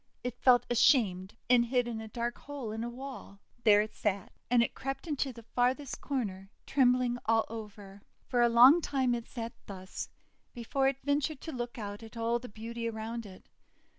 It felt ashamed, and hid in a dark hole in a wall. There it sat, and it crept into the farthest corner, trembling all over. For a long time it sat thus, before it ventured to look out at all the beauty around it.